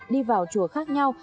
đi vào chùa khác nhau